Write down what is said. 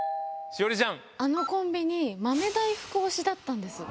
あのコンビニ、豆大福推しだったんです。